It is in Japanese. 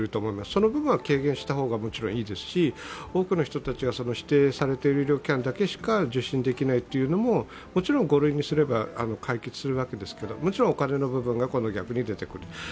その部分は軽減した方がもちろんいいですし、多くの人たちは指定されている医療機関でしか受診できないというのももちろん、５類にすれば解決するわけですけどもお金の部分が逆に出てくる。